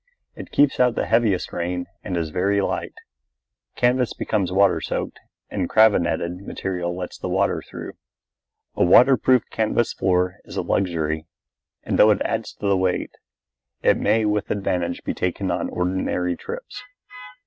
It keeps out the heaviest rain and is very light. Canvas becomes water soaked, and cravenetted material lets the water through. A waterproof canvas floor is a luxury, and, though it adds to the weight, it may with advantage be taken on ordinary trips.